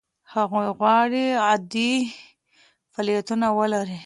هغوی غواړي عادي فعالیتونه ولري.